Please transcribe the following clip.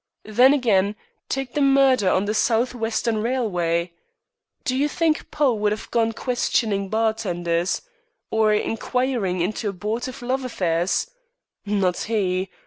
Then, again, take the murder on the South Western Railway. Do you think Poe would have gone questioning bar tenders or inquiring into abortive love affairs? Not he!